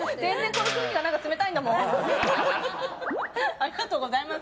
ありがとうございます。